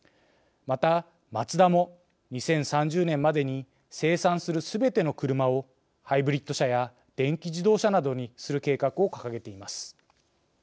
また、マツダも２０３０年までに生産するすべての車をハイブリッド車や電気自動車などにする計画を掲げています。